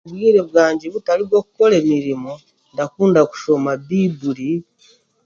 Obwire bwangye butari bw'okukora emirimo ndakunda kushoma baiburi